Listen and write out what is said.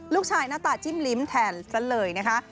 หน้าตาจิ้มลิ้มแทนซะเลยนะคะ